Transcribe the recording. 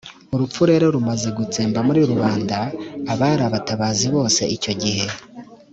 urupfu rero rumaze gutsemba muri rubanda abari abatabazi bose icyo gihe